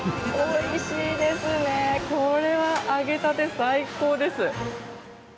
おいしいですね、これは揚げたて、最高です。